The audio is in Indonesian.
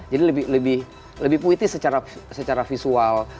jadi lebih puitis secara visual